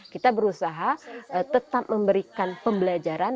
kita berusaha tetap memberikan pembelajaran